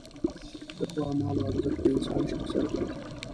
د ښو اعمالو ارزښت د انسان شخصیت ټاکي.